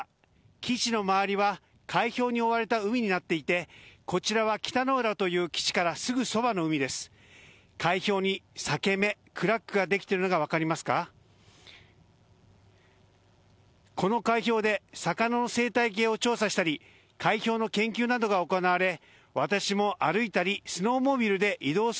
基地の周りは海氷に覆われた海になっていてこちらは北の浦という基地からすぐそばの海です。